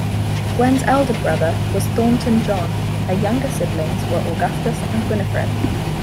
Gwen's elder brother was Thornton John; her younger siblings were Augustus and Winifred.